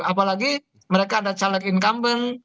apalagi mereka ada caleg incumbent